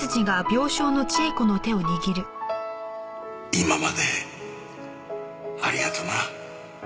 今までありがとな。